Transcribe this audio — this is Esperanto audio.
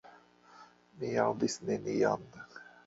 Mi aŭdis nenion.